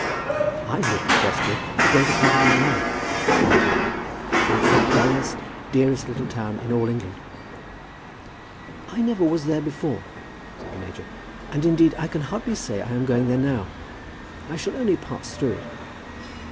"I lived at Guestwick the greater part of my life," said Johnny, "and it's the dullest, dearest little town in all England." "I never was there before," said the major, "and indeed I can hardly say I am going there now. I shall only pass through it."